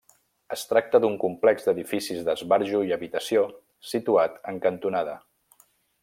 Es tracta d'un complex d'edificis d'esbarjo i habitació, situat en cantonada.